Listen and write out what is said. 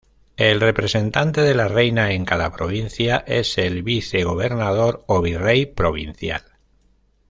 El representante de la reina en cada provincia es el vicegobernador o virrey provincial.